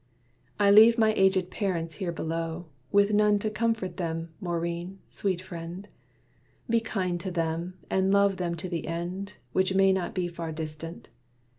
"I leave my aged parents here below, With none to comfort them. Maurine, sweet friend! Be kind to them, and love them to the end, Which may not be far distant.